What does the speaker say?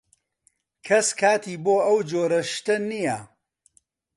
کەس کاتی بۆ ئەو جۆرە شتە نییە.